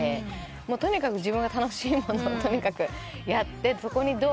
とにかく自分が楽しいものをとにかくやってそこにどうはまるか？